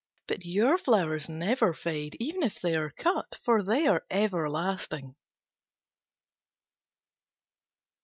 But your flowers never fade, even if they are cut; for they are everlasting."